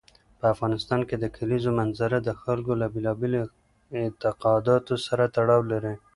په افغانستان کې د کلیزو منظره د خلکو له بېلابېلو اعتقاداتو سره تړاو لري.